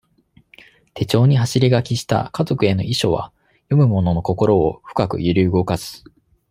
手帳に走り書きした家族への遺書は、読む者の心を、深く揺り動かす。